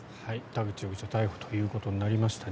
田口容疑者逮捕ということになりました。